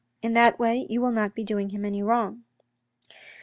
In that way you will not be doing him any wrong.